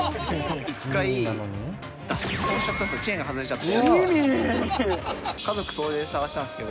一回、脱走しちゃったんですよ、チェーン外れちゃって。